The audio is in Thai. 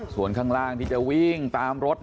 ส่วนข้างล่างที่จะวิ่งตามรถ